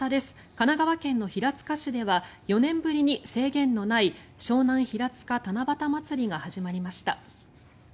神奈川県の平塚市では４年ぶりに制限のない湘南ひらつか七夕まつりが始まりました。